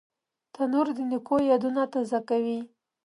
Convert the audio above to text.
تنور د نیکو یادونه تازه کوي